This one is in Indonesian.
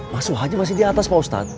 mas surra aja masih di atas pak ustadz